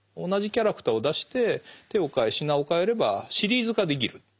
同じキャラクターを出して手をかえ品をかえればシリーズ化できる。